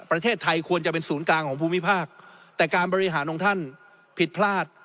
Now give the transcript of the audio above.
ประเทศไทยควรจะเป็นศูนย์กลางของภูมิภาคแต่การบริหารของท่านผิดพลาด